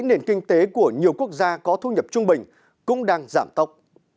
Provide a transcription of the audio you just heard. nền kinh tế của nhiều quốc gia có thu nhập trung bình cũng đang giảm tốc